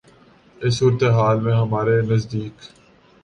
اس صورتِ حال میں ہمارے نزدیک